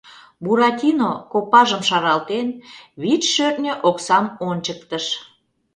— Буратино, копажым шаралтен, вич шӧртньӧ оксам ончыктыш.